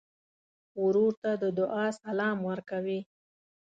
ورور ته د دعا سلام ورکوې.